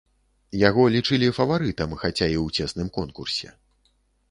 Яго лічылі фаварытам, хаця і ў цесным конкурсе.